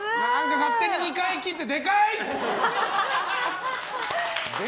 勝手に２回切ってでかい！